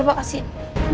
bu sadar bu